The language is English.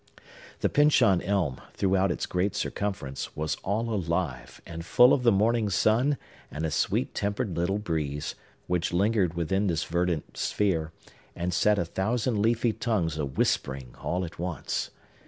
The Pyncheon Elm, throughout its great circumference, was all alive, and full of the morning sun and a sweet tempered little breeze, which lingered within this verdant sphere, and set a thousand leafy tongues a whispering all at once.